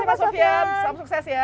terima kasih pak sofian selam sukses ya